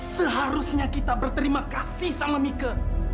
seharusnya kita berterima kasih sama mika